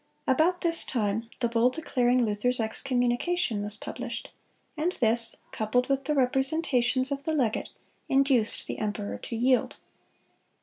About this time the bull declaring Luther's excommunication was published; and this, coupled with the representations of the legate, induced the emperor to yield.